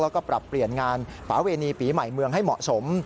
แล้วก็ปรับเปลี่ยนงานปาเวณีปีใหม่เมืองให้เหมาะสม